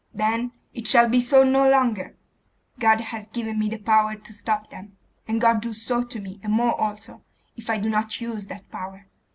'Then it shall be so no longer! God has given me the power to stop them; and God do so to me, and more also, if I do not use that power.